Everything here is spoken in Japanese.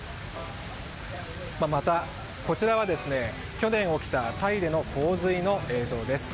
また、こちらは去年起きたタイでの洪水の映像です。